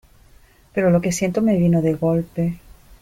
pero lo que siento me vino de golpe,